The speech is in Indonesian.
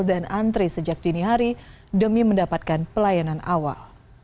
dan antri sejak dini hari demi mendapatkan pelayanan awal